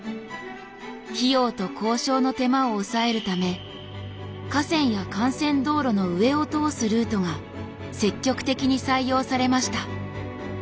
費用と交渉の手間を抑えるため河川や幹線道路の上を通すルートが積極的に採用されました。